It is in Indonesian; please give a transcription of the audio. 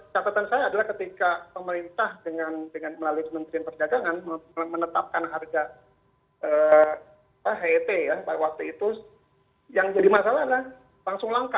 catatan saya adalah ketika pemerintah dengan melalui kementerian perdagangan menetapkan harga het ya pada waktu itu yang jadi masalah adalah langsung langka